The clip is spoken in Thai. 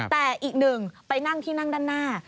แต่อีกหนึ่งไปนั่งที่นั่งด้านหน้า